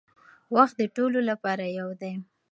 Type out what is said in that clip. وخت د ټولو لپاره یو دی.